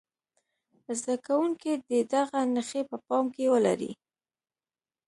زده کوونکي دې دغه نښې په پام کې ولري.